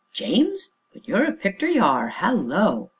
James! but you're a picter, you are hallo!"